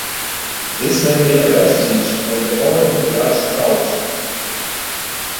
This may be a vestige of the Morgan production culture.